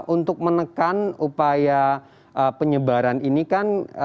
untuk menekan upaya penyebaran ini kan